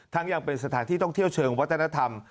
ยังเป็นสถานที่ท่องเที่ยวเชิงวัฒนธรรม